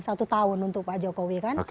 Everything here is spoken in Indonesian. satu tahun untuk pak jokowi kan